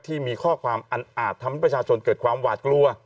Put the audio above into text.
ที่มีข้อความอันอาจทำให้ประชาชนเกิดความหวาดกลัว